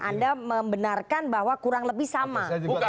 anda membenarkan bahwa kurang lebih sama